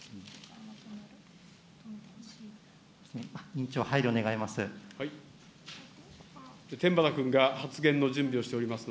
委員長、配慮願います。